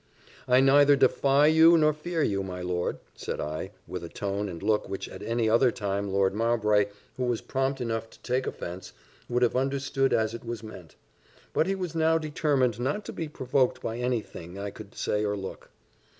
"I neither defy you nor fear you, my lord!" said I, with a tone and look which at any other time Lord Mowbray, who was prompt enough to take offence, would have understood as it was meant. But he was now determined not to be provoked by any thing I could say or look.